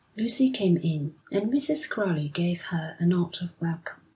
Lucy came in, and Mrs. Crowley gave her a nod of welcome.